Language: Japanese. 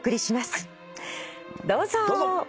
どうぞ。